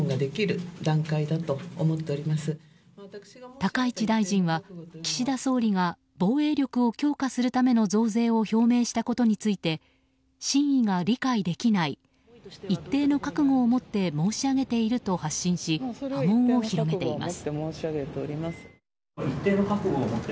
高市大臣は、岸田総理が防衛力を強化するための増税を表明したことについて真意が理解できない一定の覚悟を持って申し上げていると発信し波紋を広げています。